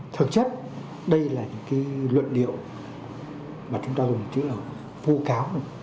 thực chất đây là cái luận điệu mà chúng ta dùng chứ là vô cáo